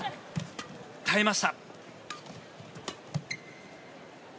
耐えました。